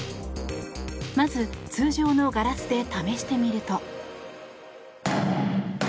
まず、通常のガラスで試してみると。